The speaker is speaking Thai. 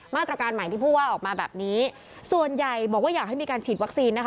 มาตรการใหม่ที่ผู้ว่าออกมาแบบนี้ส่วนใหญ่บอกว่าอยากให้มีการฉีดวัคซีนนะคะ